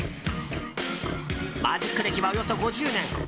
マジック歴は、およそ５０年。